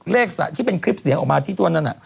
ที่เป็นคลิปเสียงออกมาที่ตัวนั้น